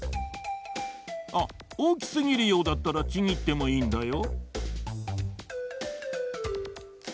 あっおおきすぎるようだったらちぎってもいいんだよ。